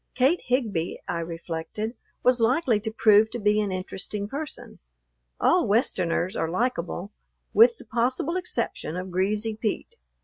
Kate Higbee, I reflected, was likely to prove to be an interesting person. All Westerners are likable, with the possible exception of Greasy Pete.